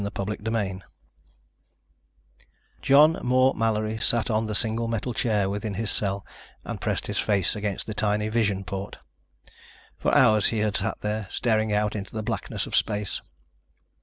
CHAPTER FIFTEEN John Moore Mallory sat on the single metal chair within his cell and pressed his face against the tiny vision port. For hours he had sat there, staring out into the blackness of space.